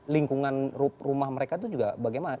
lingkungan rumah mereka itu juga bagaimana